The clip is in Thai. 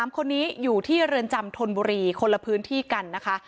๓คนนี้อยู่ที่เรือนจำธนบุรีคนละพื้นที่กันนะคะ